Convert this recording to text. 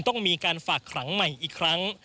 ต้องมีการฝากขังใหม่อีกครั้ง